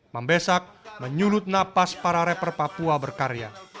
membesak menyulut napas para rapper papua berkarya